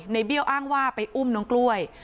เบี้ยวอ้างว่าไปอุ้มน้องกล้วย